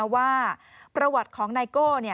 ว่าประวัติของไนโก้